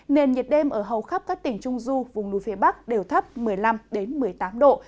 nền nhiệt đêm ở hầu khắp các tỉnh trung du vùng núi phía bắc đều thấp một mươi năm một mươi tám độ